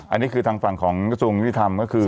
อันนี้คือทางฝั่งของซูงที่ทำ